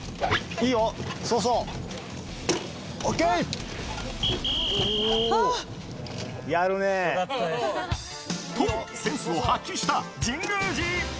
いいよ、そうそう、と、センスを発揮した神宮寺。